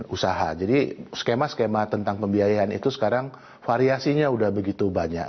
usaha jadi skema skema tentang pembiayaan itu sekarang variasinya sudah begitu banyak